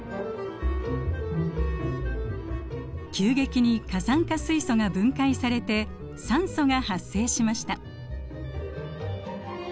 急激に過酸化水素が分解されて酸素が発生しました。